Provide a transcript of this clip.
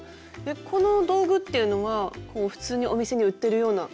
この道具っていうのはこう普通にお店に売ってるような。